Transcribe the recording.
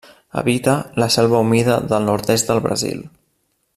Habita la selva humida del nord-est de Brasil.